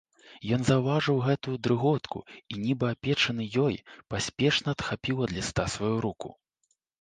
Ён заўважыў гэту дрыготку і, нібы апечаны ёй, паспешна адхапіў ад ліста сваю руку.